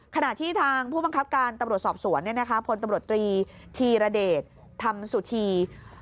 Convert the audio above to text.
ขณะที่ทางผู้บังคับการตำรวจสอบสวนพลตำรวจตรีธีรเดชธรรมสุธี